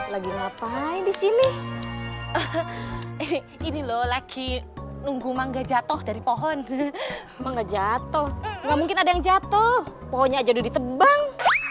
lagi ngapain disini ini loh lagi nunggu mangga jatuh dari pohon mangga jatuh nggak mungkin ada yang jatuh pohonnya jadi ditebang